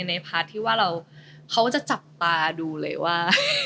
พาร์ทที่ว่าเราเขาจะจับตาดูเลยว่า